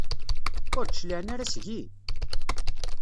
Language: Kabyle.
Ur d-cliɛen ara seg-i?